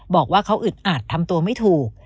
บอกว่าเขาอึดอัดทำตัวไม่ถูก